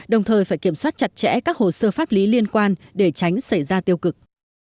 đồng thời phải kiểm soát chặt chẽ các hồ sơ pháp lý liên quan để tránh xảy ra tiêu cực